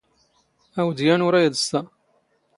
ⴰⵡⴷ ⵢⴰⵏ ⵓⵔ ⴰⵔ ⵉⴹⵚⵚⴰ.